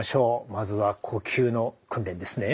まずは呼吸の訓練ですね。